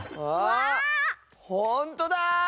ああっほんとだ！